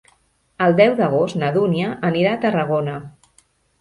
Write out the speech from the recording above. El deu d'agost na Dúnia anirà a Tarragona.